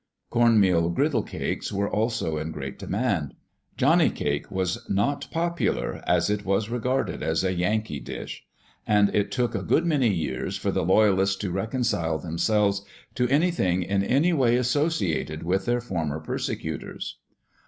Corn meal griddle cakes were also in great demand. Johnny cake was not popular, as it was regarded as a Yankee dish; and it took a good many years for the Loyalists to reconcile themselves to anything in any way associated with their former persecutors.